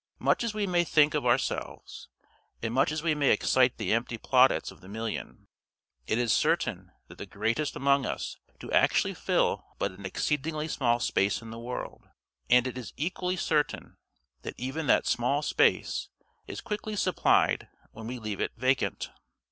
Much as we may think of ourselves, and much as we may excite the empty plaudits of the million, it is certain that the greatest among us do actually fill but an exceedingly small space in the world; and it is equally certain, that even that small space is quickly supplied when we leave it vacant.